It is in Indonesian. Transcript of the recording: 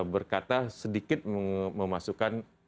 berkata sedikit memasukkan